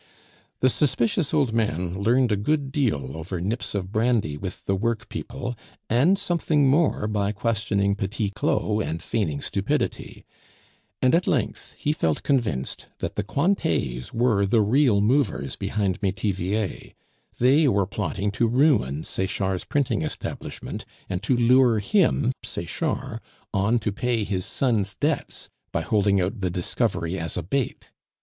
The suspicious old man learned a good deal over nips of brandy with the work people, and something more by questioning Petit Claud and feigning stupidity; and at length he felt convinced that the Cointets were the real movers behind Metivier; they were plotting to ruin Sechard's printing establishment, and to lure him (Sechard) on to pay his son's debts by holding out the discovery as a bait.